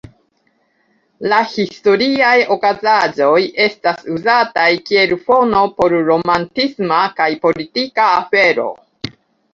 La historiaj okazaĵoj estas uzataj kiel fono por romantisma kaj politika afero.